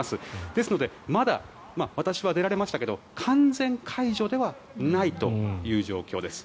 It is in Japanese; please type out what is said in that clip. ですので、まだ私は出られましたけど完全解除ではないという状況です。